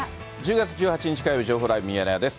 １０月１８日火曜日、情報ライブミヤネ屋です。